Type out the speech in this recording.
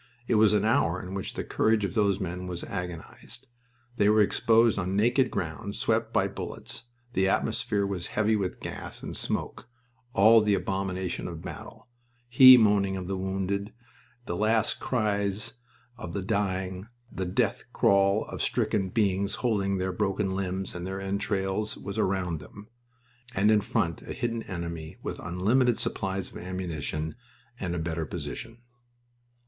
It was an hour in which the courage of those men was agonized. They were exposed on naked ground swept by bullets, the atmosphere was heavy with gas and smoke; all the abomination of battle he moaning of the wounded, the last cries of the dying, the death crawl of stricken beings holding their broken limbs and their entrails was around them, and in front a hidden enemy with unlimited supplies of ammunition and a better position.